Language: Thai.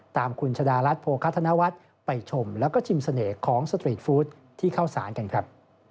ตามคุณชะดารัฐโภคธนวัฒน์ไปชมแล้วก็ชิมเสน่ห์ของสตรีทฟู้ดที่เข้าสารกันครับ